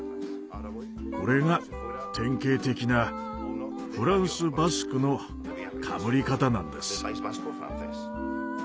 これが典型的なフランス・バスクのかぶり方なんです。